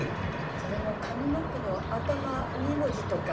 それも上の句の頭２文字とか。